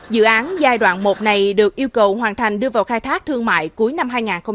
dự án giai đoạn một này được yêu cầu hoàn thành đưa vào khai thác thương mại cuối năm hai nghìn hai mươi